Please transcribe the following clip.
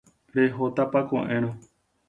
Rehótapa ko'ẽrõ.